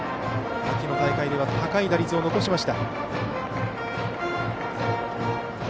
秋の大会では高い打率を残しました。